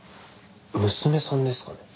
娘さんですかね。